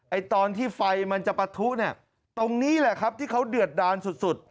ตอนที่ไฟมันจะปะทุเนี่ยตรงนี้แหละครับที่เขาเดือดดานสุดสุด